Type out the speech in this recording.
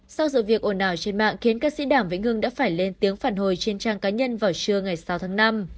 sau sự việc ổn ảo trên mạng khiến ca sĩ đảm vĩnh hương đã phải lên tiếng phản hồi trên trang cá nhân vào trưa ngày sáu tháng năm